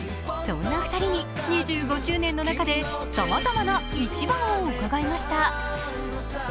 そんな２人に２５周年の中でさまざまな１番を伺いました。